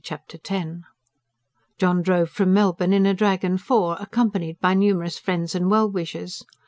Chapter X John drove from Melbourne in a drag and four, accompanied by numerous friends and well wishers.